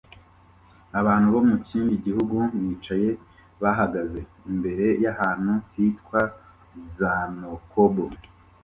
Abantu bo mu kindi gihugu bicaye bahagaze imbere yahantu hitwa Znocob